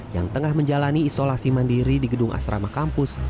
yang tengah menjalani isolasi mandiri di gedung asrama kampus